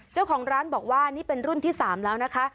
เจ้าของร้านบอกว่านี่เป็นรุ่นที่๓แล้วนะคะ